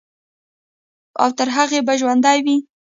او تر هغې به ژوندے وي،